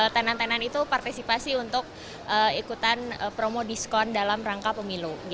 tenan tenan itu partisipasi untuk ikutan promo diskon dalam rangka pemilu